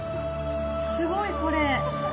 すごい、これ！